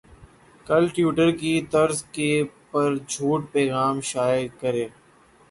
کل ٹیوٹر کی طرز کے پر چھوٹ پیغام شائع کر